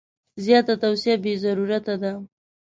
زیاته توصیه بې ضرورته ده.